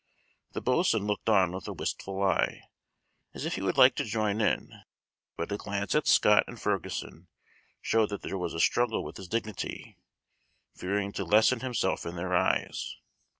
The boatswain looked on with a wistful eye, as if he would like to join in; but a glance at Scott and Ferguson showed that there was a struggle with his dignity, fearing to lessen himself in their eyes.